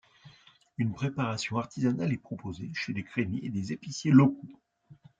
Une préparation artisanale est proposée chez des crémiers et des épiciers locaux.